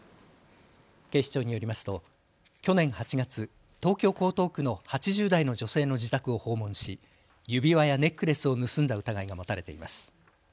警視庁によりますと去年８月、東京江東区の８０代の女性の自宅を訪問し指輪やネックレスを盗んだ疑いが持たれています。